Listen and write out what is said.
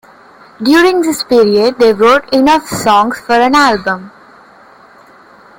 During this period they wrote enough songs for an album.